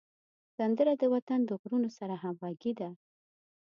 سندره د وطن د غرونو سره همږغي ده